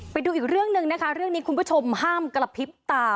ไปดูอีกเรื่องหนึ่งนะคะเรื่องนี้คุณผู้ชมห้ามกระพริบตา